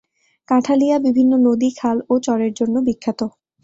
কাঁঠালিয়া বিভিন্ন নদী, খাল ও চরের জন্য বিখ্যাত।